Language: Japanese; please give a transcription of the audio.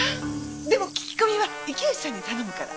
でも聞き込みは池内さんに頼むから。